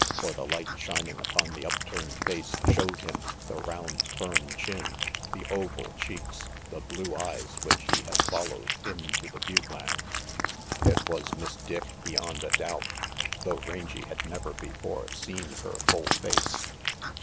For the light shining upon the upturned face showed him the round firm chin, the oval cheeks, the blue eyes which he had followed into the butte lands. It was Miss Dick, beyond a doubt, though Rangy had never before seen her full face.